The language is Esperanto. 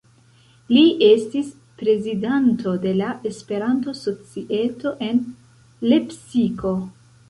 Li estis prezidanto de la Esperanto-Societo en Lepsiko.